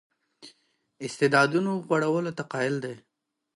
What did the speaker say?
استعدادونو غوړولو ته قایل دی.